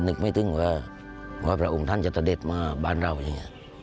นึกไม่ถึงว่าพระองค์ท่านจะเสด็จมาบ้านเราอย่างนี้